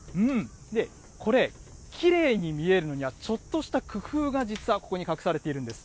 これ、きれいに見えるのにはちょっとした工夫が実はここに隠されているんです。